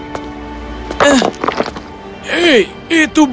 standar seorang chef